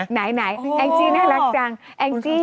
ไหนทิน่ารักจัง